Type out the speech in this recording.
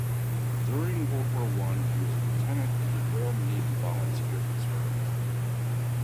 During World War One he was a lieutenant in the Royal Navy Volunteer Reserve.